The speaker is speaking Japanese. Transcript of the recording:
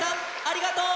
ありがとう！